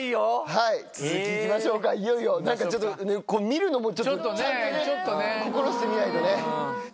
はい続き行きましょうかいよいよ何かちょっと見るのもちょっとちゃんとね心して見ないとね。